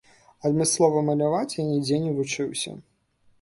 Адмыслова маляваць я нідзе не вучыўся.